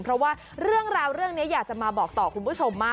เพราะว่าเรื่องราวเรื่องนี้อยากจะมาบอกต่อคุณผู้ชมมาก